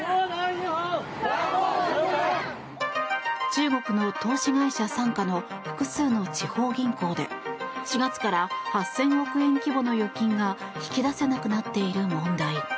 中国の投資会社傘下の複数の地方銀行で４月から８０００億円規模の預金が引き出せなくなっている問題。